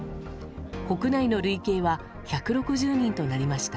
国内の累計は１６０人となりました。